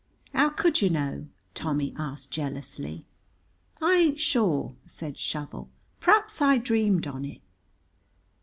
"How could yer know?" Tommy asked jealously. "I ain't sure," said Shovel, "p'raps I dreamed on it."